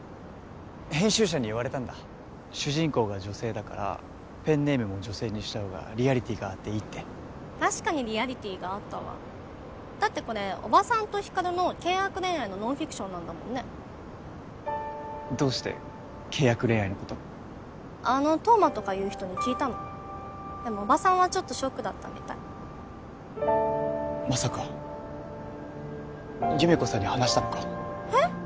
編集者に言われたんだ主人公が女性だからペンネームも女性にしたほうがリアリティーがあっていいって確かにリアリティーがあったわだってこれおばさんと光琉の契約恋愛のノンフィクションなんだもんねどうして契約恋愛のことあの冬馬とかいう人に聞いたのでもおばさんはちょっとショックだったみたいまさか優芽子さんに話したのかえっ